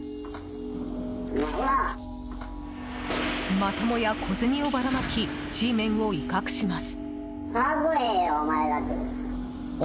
またもや小銭をばらまきＧメンを威嚇します。